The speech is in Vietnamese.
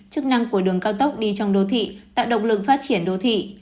chức năng của đường cao tốc đi trong đô thị tạo động lực phát triển đô thị